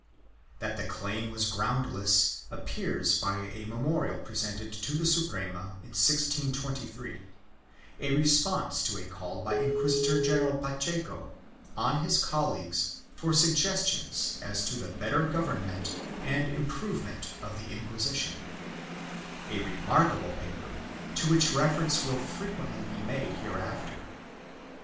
That the claim was groundless appears by a memorial presented to the Suprema in 1623, in response to a call by Inquisitor general Pacheco on his colleagues for suggestions as to the better government and improvement of the Inquisition — a remarkable paper to which reference will frequently be made hereafter.